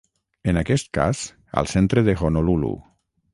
En aquest cas al centre de Honolulu.